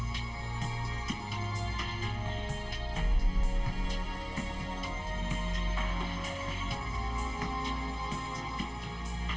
pemulangan jadwal tadulako